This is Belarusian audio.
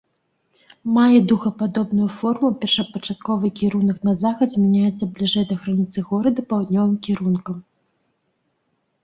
Мае дугападобную форму, першапачатковы кірунак на захад змяняцца бліжэй да граніцы горада паўднёвым кірункам.